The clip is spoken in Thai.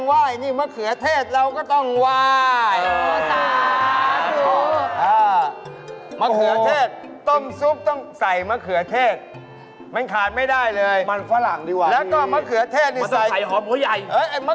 ว่ายเลยทำไมต้องว่ายล่ะแล้วมันม้ายไปค่ะ